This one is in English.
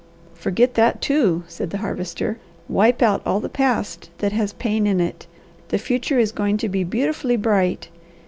"Forget that too!" said the Harvester. "Wipe out all the past that has pain in it. The future is going to be beautifully bright.